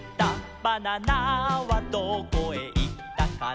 「バナナはどこへいったかな」